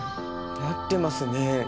なってますね。